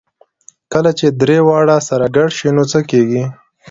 کله چې درې واړه سره ګډ شي نو څه کېږي؟